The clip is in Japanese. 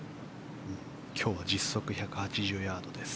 今日は実測１８０ヤードです。